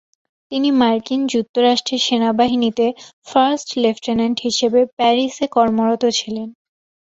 তিনি মার্কিন যুক্তরাষ্ট্রের সেনাবাহিনীতে ফার্স্ট লেফটেন্যান্ট হিসেবে প্যারিসে কর্মরত ছিলেন।